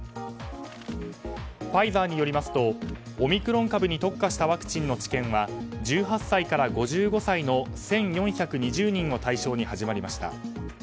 ファイザーによりますとオミクロン株に特化したワクチンの治験は１８歳から５５歳の１４２０人を対象に始まりました。